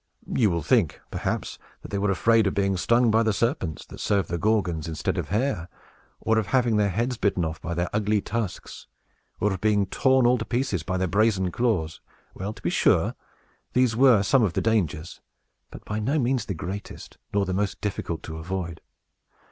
You will think, perhaps, that they were afraid of being stung by the serpents that served the Gorgons instead of hair, or of having their heads bitten off by their ugly tusks, or of being torn all to pieces by their brazen claws. Well, to be sure, these were some of the dangers, but by no means the greatest, nor the most difficult to avoid.